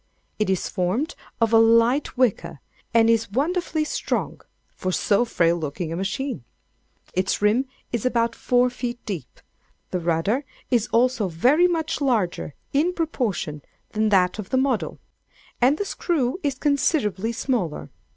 It is formed of a light wicker, and is wonderfully strong, for so frail looking a machine. Its rim is about four feet deep. The rudder is also very much larger, in proportion, than that of the model; and the screw is considerably smaller.